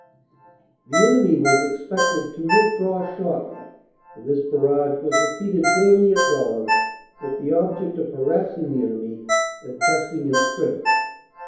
The enemy was expected to withdraw shortly, and this barrage was repeated daily at dawn with the object of harass ing the enemy and testing his strength.